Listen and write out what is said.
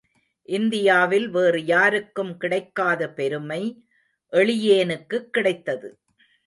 இந்தியாவில் வேறு யாருக்கும் கிடைக்காத பெருமை எளியேனுக்குக் கிடைத்தது.